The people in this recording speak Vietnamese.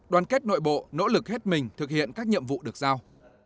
đoàn kết nội bộ nỗ lực hết mình thực hiện các nhiệm vụ được giao